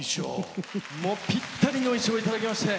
もうぴったりの衣装をいただきまして。